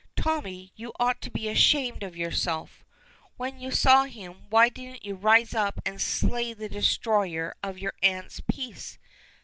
Tommy, you ought to be ashamed of yourself. When you saw him why didn't you rise up and slay the destroyer of your aunt's peace?